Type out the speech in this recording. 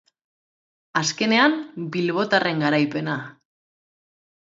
Azkenean, bilbotarren garaipena.